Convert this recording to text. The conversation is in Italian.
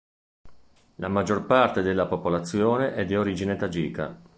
La maggior parte della popolazione è di origine tagika.